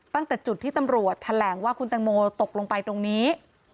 ตั้งแต่จุดที่ตำรวจแถลงว่าคุณแตงโมตกลงไปตรงนี้